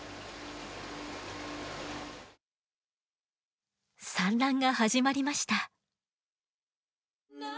産卵が始まりました。